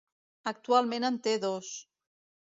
Actualment en té dos.